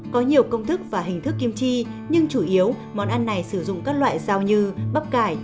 có nhiều công thức và hình thức kim chi nhưng chủ yếu món ăn này sử dụng các loại dao như bắp cải